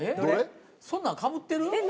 そんなんかぶってる？